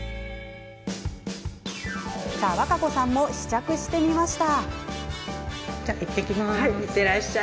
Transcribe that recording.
和歌子さんも試着してみました。